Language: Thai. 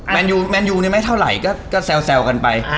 แมนยูแมนยูนี่ไม่เท่าไหร่ก็แซวกันไป